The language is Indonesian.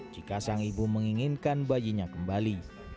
jika sang ibu menginginkan bayinya kembali